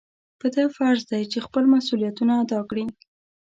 په ده فرض دی چې خپل مسؤلیتونه ادا کړي.